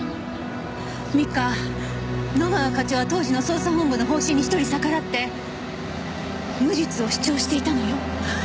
美香野川課長は当時の捜査本部の方針に１人逆らって無実を主張していたのよ。